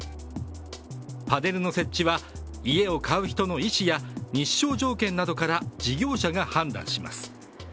パネルの設置は家を買う人の意思や日照条件などから事業者が判断します。